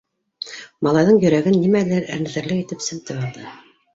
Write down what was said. Малайҙың йөрәген нимәлер, әрнетерлек итеп, семтеп алды.